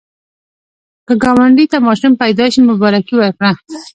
که ګاونډي ته ماشوم پیدا شي، مبارکي ورکړه